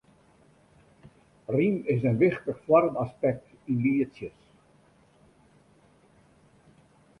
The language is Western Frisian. Rym is in wichtich foarmaspekt yn lietsjes.